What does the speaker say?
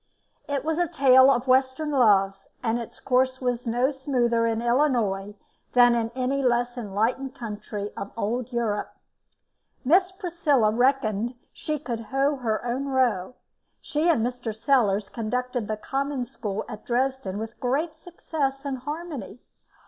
It was a tale of western love, and its course was no smoother in Illinois than in any less enlightened country of old Europe. Miss Priscilla reckoned she could hoe her own row. She and Mr. Sellars conducted the Common School at Dresden with great success and harmony.